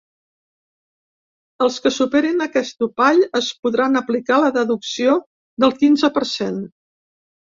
Els que superin aquest topall es podran aplicar la deducció del quinze per cent.